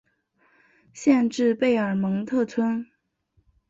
县治贝尔蒙特村。